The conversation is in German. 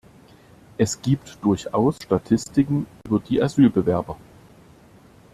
Es gibt durchaus Statistiken über die Asylbewerber.